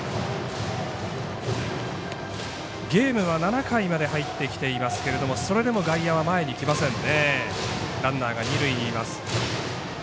ゲームは７回まで入ってきていますけどもそれでも外野は前にきませんね。